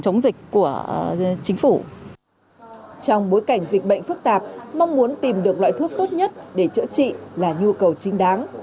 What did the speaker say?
trong bối cảnh dịch bệnh phức tạp mong muốn tìm được loại thuốc tốt nhất để chữa trị là nhu cầu chính đáng